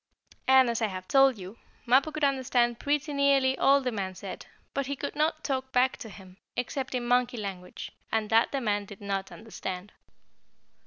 And, as I have told you, Mappo could understand pretty nearly all the man said, but he could not talk back to him, except in monkey language, and that the man did not understand.